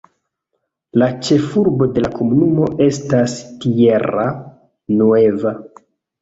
La ĉefurbo de la komunumo estas Tierra Nueva.